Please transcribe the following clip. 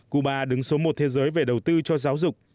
cuba đứng số một thế giới về đầu tư cho giáo dục